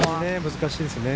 難しいですね。